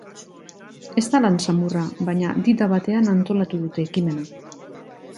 Ez da lan samurra, baina di-da batean antolatu dute ekimena.